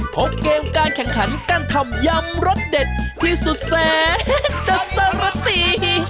พบเกมการแข่งขันการทำยำรสเด็ดที่สุดแสนจะสรติ